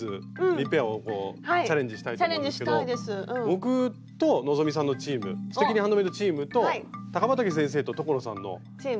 僕と希さんのチーム「すてきにハンドメイドチーム」と高畠先生と所さんのチームで。